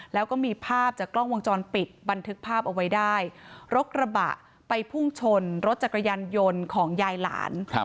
แล้วก็มีภาพจากกล้องวงจรปิดบันทึกภาพเอาไว้ได้รถกระบะไปพุ่งชนรถจักรยานยนต์ของยายหลาน